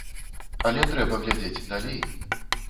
Але трэба глядзець далей.